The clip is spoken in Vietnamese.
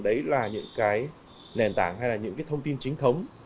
đấy là những nền tảng hay là những thông tin chính thống